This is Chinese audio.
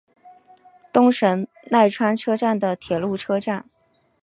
东神奈川车站的铁路车站。